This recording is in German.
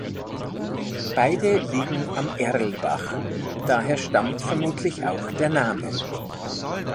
Beide liegen am Erlbach, daher stammt vermutlich auch der Name.